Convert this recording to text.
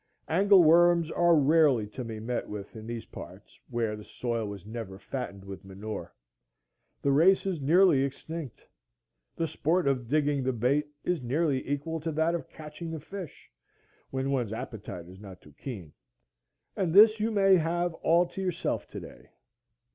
Angle worms are rarely to be met with in these parts, where the soil was never fattened with manure; the race is nearly extinct. The sport of digging the bait is nearly equal to that of catching the fish, when one's appetite is not too keen; and this you may have all to yourself to day.